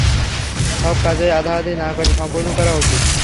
সব কাজই আধাআধি না করে সম্পূর্ণ করা উচিত।